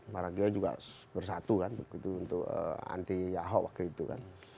para geo juga bersatu kan begitu untuk anti yahok waktu itu kan